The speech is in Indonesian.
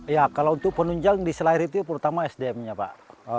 ya kalau untuk penunjang di selayar itu pertama sdm nya pak